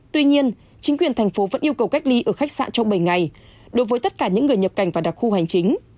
tuy nhiên chính quyền thành phố vẫn yêu cầu cách ly ở khách sạn trong bảy ngày đối với tất cả những người nhập cảnh vào đặc khu hành chính